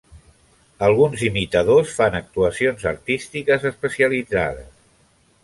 Alguns imitadors fan actuacions artístiques especialitzades.